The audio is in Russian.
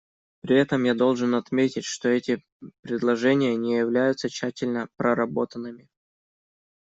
При этом я должен отметить, что эти предложения не являются тщательно проработанными.